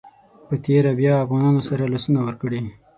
په تېره بیا افغانانو سره لاسونه ورکړي.